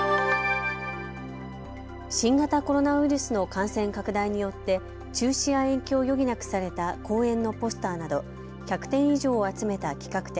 新型コロナウイルスの感染拡大によって中止や延期を余儀なくされた公演のポスターなど、１００点以上を集めた企画展。